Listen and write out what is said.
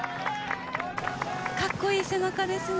かっこいい背中ですね。